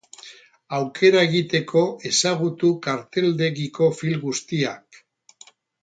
Aukera egiteko ezagutu karteldegiko film guztiak.